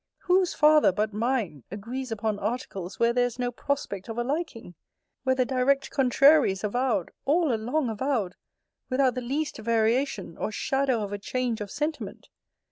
Whose father, but mine, agrees upon articles where there is no prospect of a liking? Where the direct contrary is avowed, all along avowed, without the least variation, or shadow of a change of sentiment?